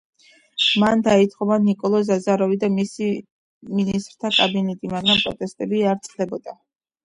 მან დაითხოვა ნიკოლოზ აზაროვი და მისი მინისტრთა კაბინეტი, მაგრამ პროტესტები არ წყდებოდა.